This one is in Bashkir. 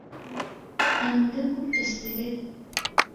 Ҡанымды күп эстегеҙ